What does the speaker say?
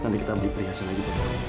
nanti kita ambil perhiasan lagi